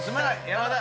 山田。